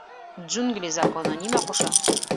— Джунгли Законы нимә ҡуша?